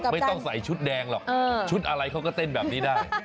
ไม่ต้องใส่ชุดแดงหรอกชุดอะไรเขาก็เต้นแบบนี้ได้